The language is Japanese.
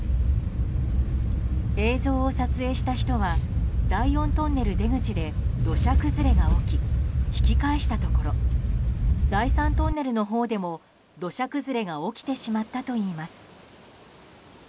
映像を撮影した人は第４トンネル出口で土砂崩れが起き引き返したところ第３トンネルのほうでも土砂崩れが起きてしまったといいます。